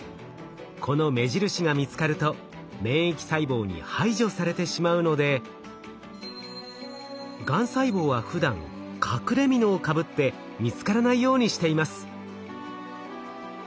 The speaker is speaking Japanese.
この目印が見つかると免疫細胞に排除されてしまうのでがん細胞はふだん隠れみのをかぶって見つからないようにしています。